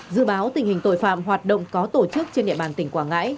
dự báo tình hình tội phạm hoạt động có tổ chức trên địa bàn tỉnh quảng ngãi